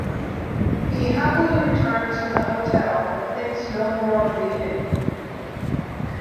He happily returns to the hotel and thinks no more of leaving.